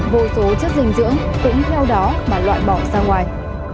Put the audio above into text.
vô số chất dinh dưỡng cũng theo đó mà loại bỏ ra ngoài